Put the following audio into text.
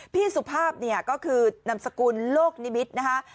พี่สุภาพก็คือนำสกุลโลกนิมิตรนะคะ